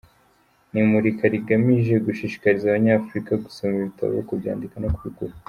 Ni imurika rigamije gushishikariza Abanyafurika gusoma ibitabo, kubyandika no kubigura.